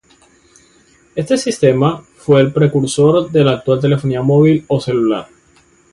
Este sistema fue el precursor de la actual telefonía móvil o celular.